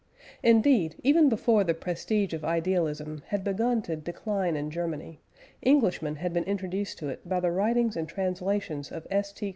Indeed, even before the prestige of idealism had begun to decline in Germany, Englishmen had been introduced to it by the writings and translations of S. T.